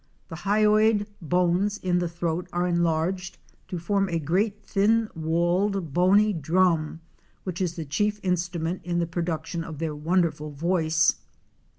The hyoid bones in the throat are enlarged to form a great thin walled bony drum, which is the chief instrument in the production of their wonderful voice.